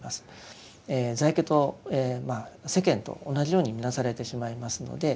在家と世間と同じように見なされてしまいますので。